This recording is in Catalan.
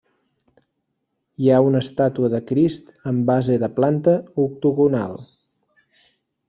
Hi ha una estàtua de Crist amb base de planta octogonal.